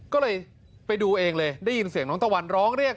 ก็เลยไปดูเองเลยได้ยินเสียงน้องตะวันร้องเรียก